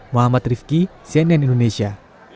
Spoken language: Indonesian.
muhammad rifqi sianian indonesia